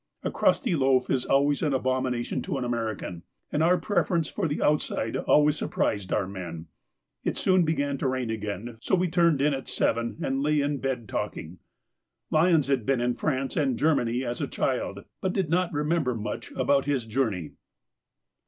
A crusty loaf is always an abomination to an American, and our preference for the outside always surprised our men. It soon began to rain again, so we turned in at seven, and lay in bed talking. Lyons had been in France and Germany as a child, but did not remember much about his journey.